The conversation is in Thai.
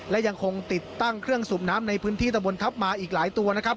และยังคงติดตั้งเครื่องสูบน้ำในพื้นที่ตะบนทัพมาอีกหลายตัวนะครับ